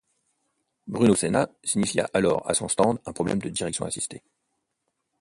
Bruno Senna signifia alors à son stand un problème de direction assistée.